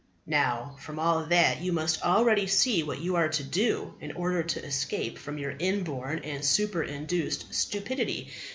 Now, from all that, you must already see what you are to do in order to escape from your inborn and superinduced stupidity.